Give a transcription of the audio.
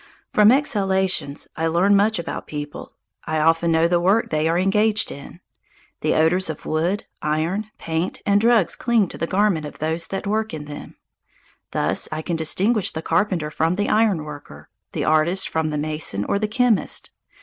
From exhalations I learn much about people. I often know the work they are engaged in. The odours of wood, iron, paint, and drugs cling to the garments of those that work in them. Thus I can distinguish the carpenter from the ironworker, the artist from the mason or the chemist.